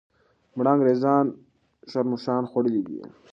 مړه انګریزان ښرموښانو خوړلي دي.